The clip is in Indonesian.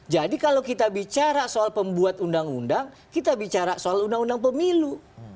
jadi kalau kita bicara soal pembuat undang undang kita bicara soal undang undang pemilu